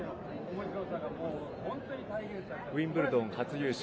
ウィンブルドン初優勝